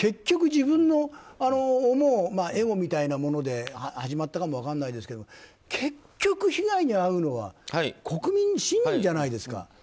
自分の思うエゴみたいなもので始まったかも分からないですけど結局、被害に遭うのは国民、市民じゃないですか。